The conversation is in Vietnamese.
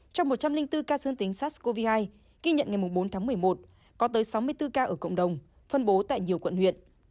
trong một trăm linh bốn ca dương tính sars cov hai ghi nhận ngày bốn tháng một mươi một có tới sáu mươi bốn ca ở cộng đồng phân bố tại nhiều quận huyện